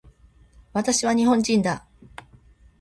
私は日本人だ